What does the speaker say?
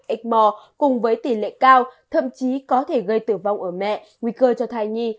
xịt mò cùng với tỷ lệ cao thậm chí có thể gây tử vong ở mẹ nguy cơ cho thai nhi